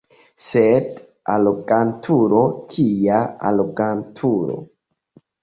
Sed arogantulo, kia arogantulo!